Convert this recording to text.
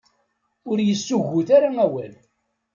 Ur yessuggut ara awal.